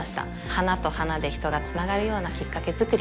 花と花で人がつながるようなきっかけづくり